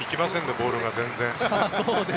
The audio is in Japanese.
ボールが全然。